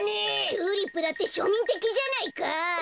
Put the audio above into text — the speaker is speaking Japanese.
チューリップだってしょみんてきじゃないか！